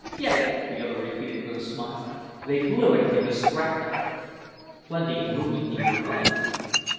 "Get it!" the other repeated, with a smile. "They blew it into scrap metal." "Plenty of movement in your life!"